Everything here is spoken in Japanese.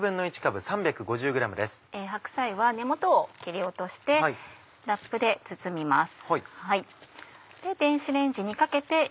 白菜は根元を切り落としてラップで包みます。